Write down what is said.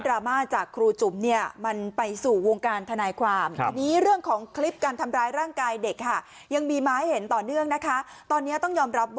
ออกจากหย่อนยานในการปฏิบัติหน้าที่ครับ